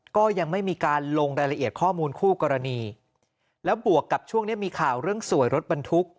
ก็ยังไม่มีการลงรายละเอียดข้อมูลคู่กรณีแล้วบวกกับช่วงนี้มีข่าวเรื่องสวยรถบรรทุก